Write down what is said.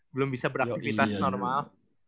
belum bisa beraktivitas normal